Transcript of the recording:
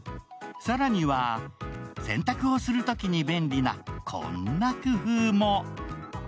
更には洗濯をするときに便利なこんな工夫も。